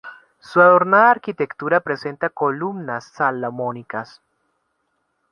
Su adornada arquitectura presenta columnas salomónicas.